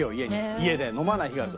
家で飲まない日があると。